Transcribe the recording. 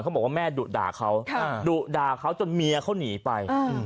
บอกว่าแม่ดุด่าเขาดุด่าเขาจนเมียเขาหนีไป